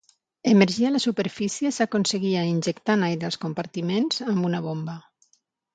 Emergir a la superfície s'aconseguia injectant aire als compartiments amb una bomba.